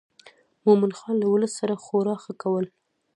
مومن خان له ولس سره خورا ښه کول.